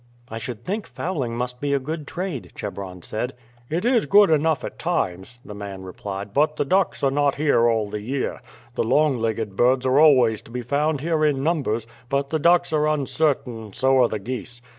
"I should think fowling must be a good trade," Chebron said. "It is good enough at times," the man replied; "but the ducks are not here all the year. The long legged birds are always to be found here in numbers, but the ducks are uncertain, so are the geese.